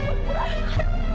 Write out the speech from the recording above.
benar kamu hamil